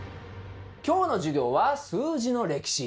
今日の授業は数字の歴史。